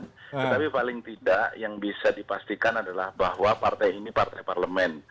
tetapi paling tidak yang bisa dipastikan adalah bahwa partai ini partai parlemen